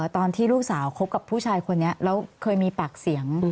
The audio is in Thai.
ตอนที่ลูกสาวคบกับผู้ชายคนนี้แล้วเคยมีปากเสียง